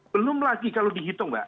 belum lagi kalau dihitung mbak